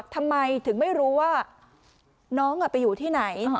ทำไมถึงไม่รู้ว่าน้องไปอยู่ที่ไหน